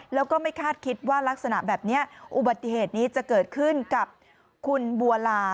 แล้วก็ไม่คาดคิดว่ารักษณะแบบนี้อุบัติเหตุนี้จะเกิดขึ้นกับคุณบัวลา